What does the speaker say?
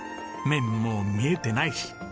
麺もう見えてないし。